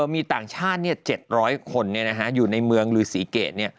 มีต่างชาติ๗๐๐คนอยู่ในเมืองลือศรีเกต